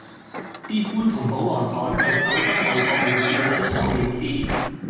啲官同保皇黨就手執外國護照一走了之